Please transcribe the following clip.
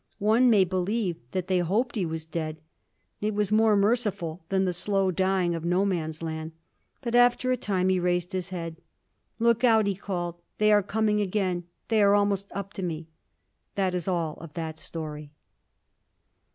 One may believe that they hoped he was dead. It was more merciful than the slow dying of No Man's Land. But after a time he raised his head. "Look out," he called. "They are coming again. They are almost up to me!" That is all of that story.